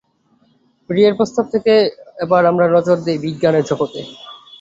বিয়ের প্রস্তাব থেকে এবার আমরা নজর দেই বিজ্ঞানের জগতে।